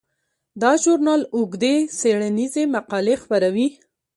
دا ژورنال اوږدې څیړنیزې مقالې خپروي.